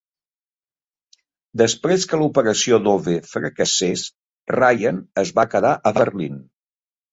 Després que l'Operació Dove fracassés, Ryan es va quedar a Berlín.